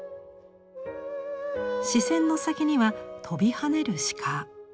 視線の先には跳びはねる鹿。